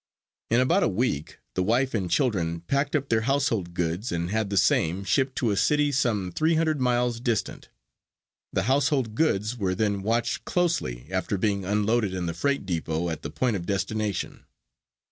In about a week the wife and children packed up their household goods and had the same shipped to a city some three hundred miles distant. The household goods were then watched closely after being unloaded in the freight depot at the point of destination.